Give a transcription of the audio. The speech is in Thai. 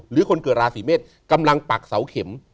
หรือคนเกิดราศีเมษกำลังปักเสาเข็ม